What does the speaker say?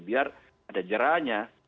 biar ada jerahnya